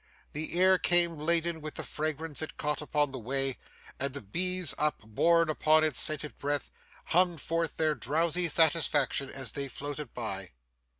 The air came laden with the fragrance it caught upon its way, and the bees, upborne upon its scented breath, hummed forth their drowsy satisfaction as they floated by.